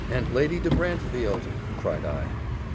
and Lady de Brantefield!" cried I.